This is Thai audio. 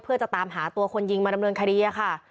เพื่อจะตามหาตัวคนยิงมาดำเนินคดีค่ะ